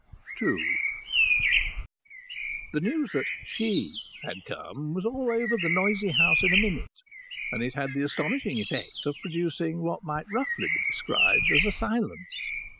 II The news that she had come was all over the noisy house in a minute, and it had the astonishing effect of producing what might roughly be described as a silence.